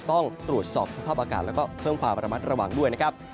ต้องตรวจสอบสภาพอากาศแล้วก็เพิ่มความระมัดระวังด้วยนะครับ